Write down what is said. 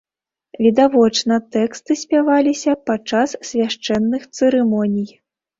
Відавочна, тэксты спяваліся падчас свяшчэнных цырымоній.